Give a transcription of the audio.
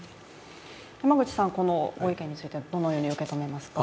山口さん、このご意見についてはどのように受け止めますか。